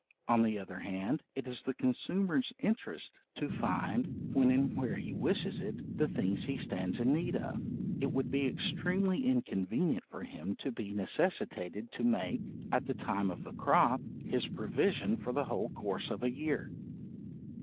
On the other hand, it is the consumer's interest to find, when and where he wishes it, the things he stands in need of; it would be extremely inconvenient for him to be necessitated to make, at the time of the crop, his provision for the whole course of a year.